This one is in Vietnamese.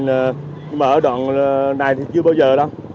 nhưng mà ở đoạn này thì chưa bao giờ đâu